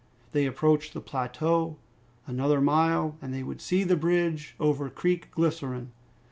They approached the plateau. Another mile and they would see the bridge over Creek Glycerine.